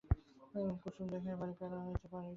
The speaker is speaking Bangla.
কুমুদকে সে বাড়ির বেড়া পার হইতে দিল না।